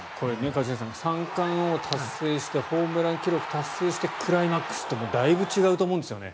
一茂さん三冠王を達成してホームラン記録を達成してとクライマックスってだいぶ違うと思うんですよね。